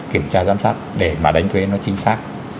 kiểm tra giám sát để mà đánh thuế nó chính xác